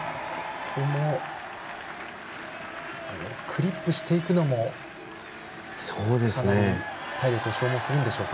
クリップしていくのも体力を消耗するんでしょうか。